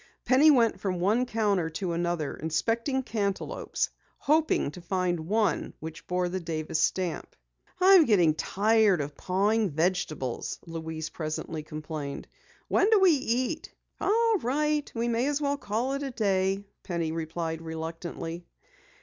Penny went from one counter to another, inspecting cantaloupes, hoping to find one which bore the Davis stamp. "I'm getting tired of pawing vegetables!" Louise presently complained. "When do we eat?" "All right, we may as well call it a day," Penny replied reluctantly.